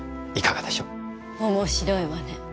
面白いわね。